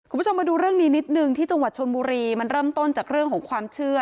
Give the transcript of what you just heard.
คุณผู้ชมมาดูเรื่องนี้นิดนึงที่จังหวัดชนบุรีมันเริ่มต้นจากเรื่องของความเชื่อ